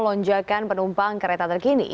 lonjakan penumpang kereta terkini